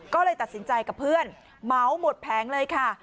ก็เลยตัดสินใจกับเพื่อนเหมาหมดแผงเลยค่ะ